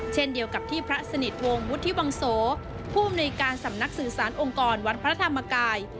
เช่นเดียวกับที่พระสนิทวงศ์วุฒิวังโสผู้อำนวยการสำนักสื่อสารองค์กรวัดพระธรรมกาย